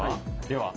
では。